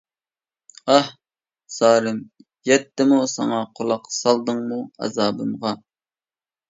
ئاھ-زارىم يەتتىمۇ ساڭا، قۇلاق سالدىڭمۇ ئازابىمغا.